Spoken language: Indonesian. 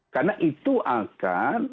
karena itu akan